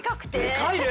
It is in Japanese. でかいね！